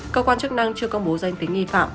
cơ quan chức năng chưa công bố danh tính nghi phạm